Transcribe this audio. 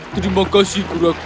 terima kasih kura kura telah membantu